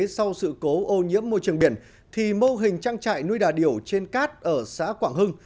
sau sự cố ô nhiễm môi trường biển thì mô hình trang trại nuôi đà điểu trên cát ở xã quảng hưng